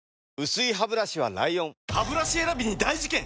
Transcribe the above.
薄いハブラシは ＬＩＯＮハブラシ選びに大事件！